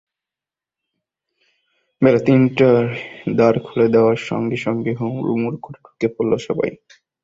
বেলা তিনটায় দ্বার খুলে দেওয়ার সঙ্গে সঙ্গে হুড়মুড় করে ঢুুকে পড়লেন সবাই।